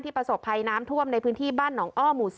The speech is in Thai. ที่ประสบภัยน้ำท่วมในพื้นที่บ้านหนอง๓